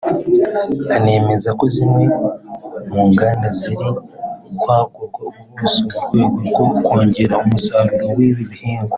anemeza ko zimwe mu nganda ziri kwagurwa ubuso mu rwego rwo kongera umusaruro w’ibi bihingwa